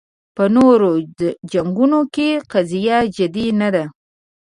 په نورو جنګونو کې قضیه جدي نه وه